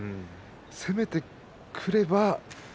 攻めてくれば翠